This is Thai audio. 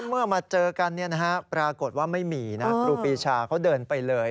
เมื่อมาเจอกันปรากฏว่าไม่มีนะครูปีชาเขาเดินไปเลย